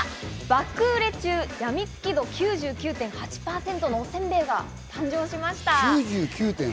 爆売れ中、やみつき度９９．８％のおせんべいが誕生しました。